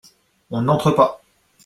On n’entre pas !…